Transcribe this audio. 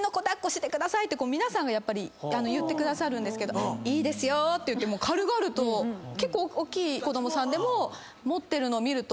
皆さんがやっぱり言ってくださるんですけど「いいですよ」って言って軽々と結構おっきい子供さんでも持ってるのを見ると。